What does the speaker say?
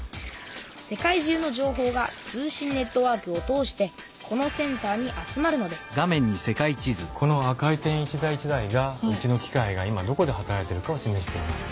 世界中のじょうほうが通信ネットワークを通してこのセンターに集まるのですこの赤い点一台一台がうちの機械が今どこで働いてるかをしめしています。